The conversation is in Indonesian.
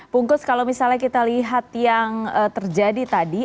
bungkus kalau misalnya kita lihat yang terjadi tadi